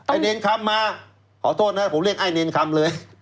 เนรคำมาขอโทษนะผมเรียกไอ้เนรคำเลย